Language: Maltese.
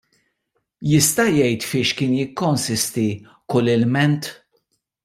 Jista' jgħid fiex kien jikkonsisti kull ilment?